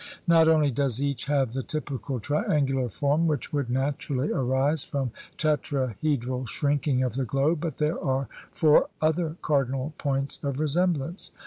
Not only does each have the typical triangular form which would naturally arise from tetrahedral shrinking of the globe, but there are four other cardinal points of resemblance.